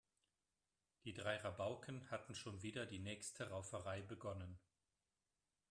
Die drei Rabauken hatten schon wieder die nächste Rauferei begonnen.